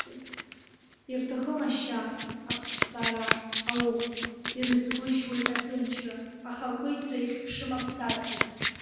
Ирҭахым ашьа, аԥсҭбара, ауӷә, ирызгәышьуеит аҭынчра, ахақәиҭра, ихьԥшым аԥсадгьыл.